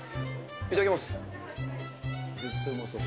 いただきます。